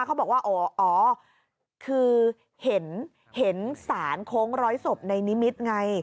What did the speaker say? เขาบอกว่าอ๋อคือเห็นสารโค้งร้อยศพในนิมิตรไง